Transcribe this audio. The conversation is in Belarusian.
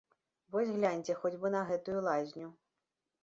Вось гляньце хоць бы на гэтую лазню.